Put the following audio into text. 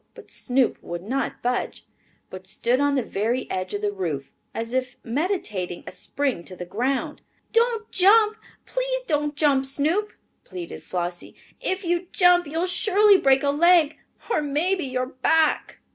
But Snoop would not budge, but stood on the very edge of the roof, as if meditating a spring to the ground. "Don't jump, please don't jump, Snoop!" pleaded Flossie. "If you jump you'll surely break a leg, or maybe your back!"